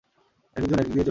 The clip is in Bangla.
একেক জন একেক দিকে চলে গেছে।